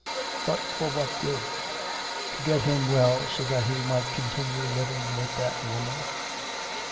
... But for what good? To get him well so that he might continue living with that woman.